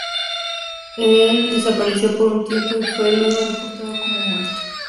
El desapareció por un tiempo y fue luego reportado como muerto.